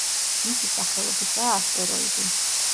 მისი სახელობისაა ასტეროიდი.